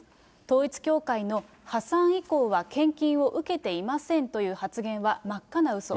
統一教会の破産以降は献金を受けていませんという発言は真っ赤なうそ。